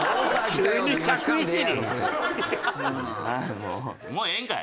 もうええんかい？